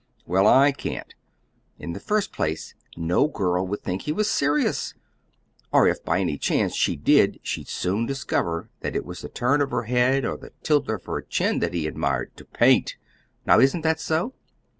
"Well, I can't. In the first place, no girl would think he was serious; or if by any chance she did, she'd soon discover that it was the turn of her head or the tilt of her chin that he admired TO PAINT. Now isn't that so?"